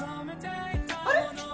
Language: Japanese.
あれ？